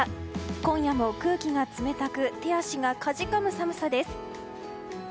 今夜も空気が冷たく手足がかじかむ寒さです。